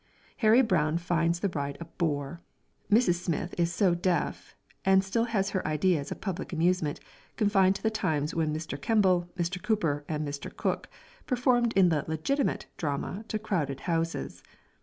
Harry Brown finds the ride a bore, Mrs. Smith is so deaf, and still has her ideas of public amusement, confined to the times when Mr. Kemble, Mr. Cooper and Mr. Cooke, performed in the legitimate drama to crowded houses.